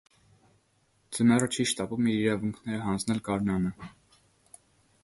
Ձմեռը չի շտապում իր իրավունքները հանձնել գարնանը։